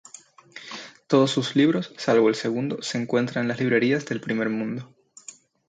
Todos sus libros, salvo el segundo, se encuentran en las librerías del primer mundo.